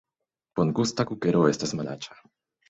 Bongusta kukero estas malaĉa